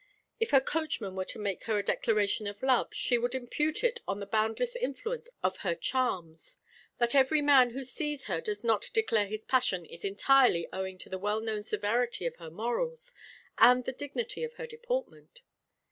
If her coachman were to make her a declaration of love she would impute it to the boundless influence of her charms; that every man who sees her does not declare his passion is entirely owing to the well known severity of her morals and the dignity of her deportment.